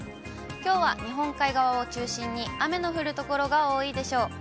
きょうは日本海側を中心に雨の降る所が多いでしょう。